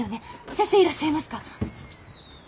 先生いらっしゃいますか？